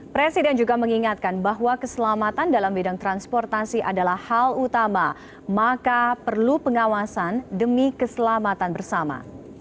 presiden juga mengingatkan bahwa keselamatan dalam bidang transportasi adalah hal utama maka perlu pengawasan demi keselamatan bersama